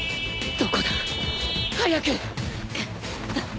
どこだ？早く！